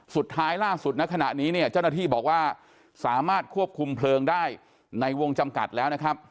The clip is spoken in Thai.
สุดท้ายล่าสุดณขณะนี้เนี่ยเจ้าหน้าที่บอกว่าสามารถควบคุมเพลิงได้ในวงจำกัดแล้วนะครับ